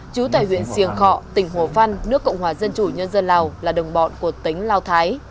chú tại huyện siêng khọ tỉnh hồ văn nước cộng hòa dân chủ nhân dân lào là đồng bọn của tính lao thái